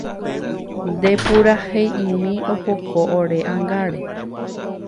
Nde puraheimi opoko ore ángare